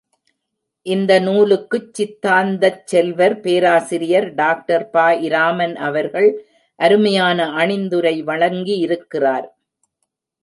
இந்த நூலுக்கு சித்தாந்தச் செல்வர், பேராசிரியர் டாக்டர் பா.இராமன் அவர்கள் அருமையான அணிந்துரை வழங்கியிருக்கிறார்.